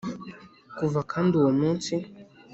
Kuva kandi uwo munsi